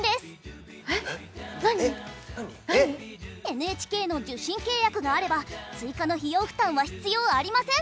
ＮＨＫの受信契約があれば追加の費用負担は必要ありません。